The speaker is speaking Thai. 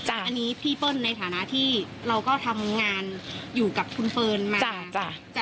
อันนี้พี่เปิ้ลในฐานะที่เราก็ทำงานอยู่กับคุณเฟิร์นมาจ้ะ